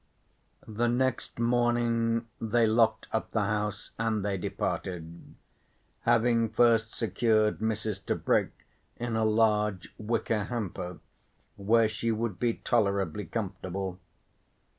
The next morning they locked up the house and they departed, having first secured Mrs. Tebrick in a large wicker hamper where she would be tolerably comfortable.